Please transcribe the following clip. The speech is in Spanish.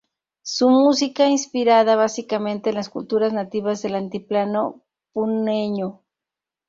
Su música, inspirada básicamente en las culturas nativas del altiplano puneño.